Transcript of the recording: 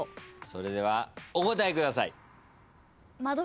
それではお答えください。